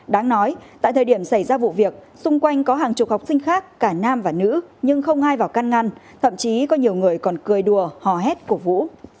đáng nói tại thời điểm xảy ra vụ việc xung quanh có hàng chục học sinh khác cả nam và nữ nhưng không ai vào căn ngăn thậm chí có nhiều người còn cươi đùa hò hét cổ vũ